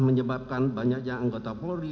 menyebabkan banyaknya anggota polri